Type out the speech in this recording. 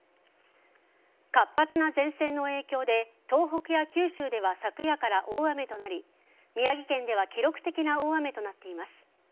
活発な前線の影響で東北や九州では昨夜から大雨となり宮城県では記録的な大雨となっています。